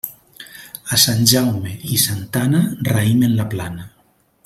A Sant Jaume i Santa Anna, raïm en la plana.